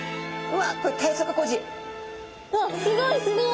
わっすごいすごい。